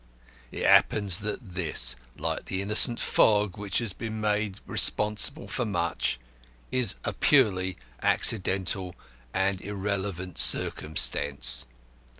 It happens that this (like the innocent fog which has also been made responsible for much) is a purely accidental and irrelevant circumstance.